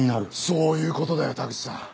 そういう事だよ田口さん。